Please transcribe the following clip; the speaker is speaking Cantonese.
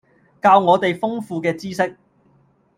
教我哋豐富嘅知識